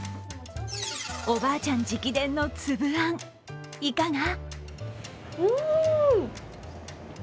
おばあちゃん直伝のつぶあん、いかが？